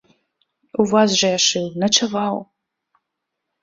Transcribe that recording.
У вас жа я шыў, начаваў.!